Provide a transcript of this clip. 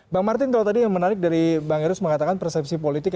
bang martin kalau tadi yang menarik dari bang erus mengatakan persepsi politik